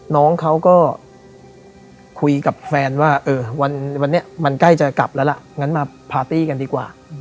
น้องเขาก็คุยกับแฟนว่าเออวันนี้มันใกล้จะกลับแล้วล่ะงั้นมาพาร์ตี้กันดีกว่า